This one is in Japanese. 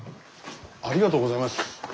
ありがとうございます。